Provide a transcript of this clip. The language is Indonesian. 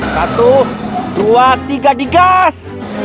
satu dua tiga digas